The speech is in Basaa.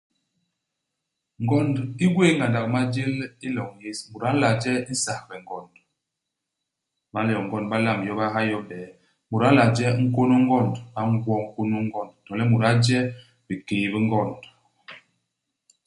Ngond i gwéé ngandak i majél i loñ yés. Mut a nla je nsabhe ngond. Ba n'yoñ ngond, ba nlamb yo, ba ha yo i hibee. Mut a nla je nkônô u ngond. Ba ngwo nkônô u ngond. To le mut a je bikéy bi ngond.